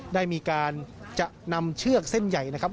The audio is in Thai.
ได้มีการจะนำเชือกเส้นใหญ่นะครับ